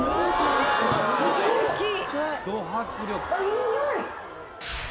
いい匂い！